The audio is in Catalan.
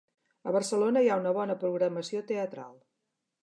A Barcelona hi ha una bona programació teatral.